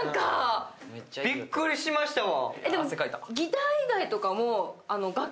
びっくりしましたわ。